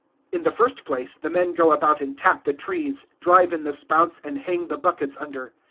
In the first place, the men go about and tap the trees, drive in the spouts, and hang the buckets under.